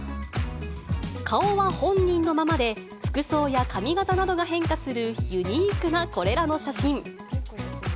顔は本人のままで、服装や髪形などが変化するユニークなこれらの写真。